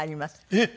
えっ！